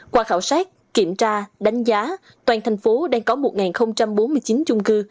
qua khảo sát kiểm tra đánh giá toàn thành phố đang có một bốn mươi chín chung cư